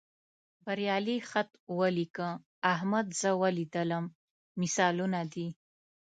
بریالي خط ولیکه، احمد زه ولیدلم مثالونه دي.